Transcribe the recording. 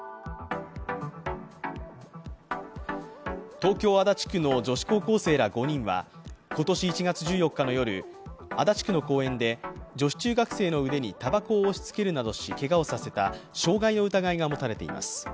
東京・足立区の女子高校生ら５人は今年１月１４にの夜、足立区の公園で女子中学生の腕にたばこを押しつけるなどしけがをさせた傷害の疑いが持たれています。